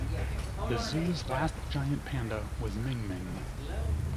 The zoo's last giant panda was Ming Ming.